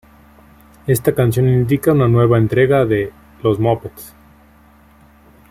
Está canción indica una nueva entrega de "Los Muppets".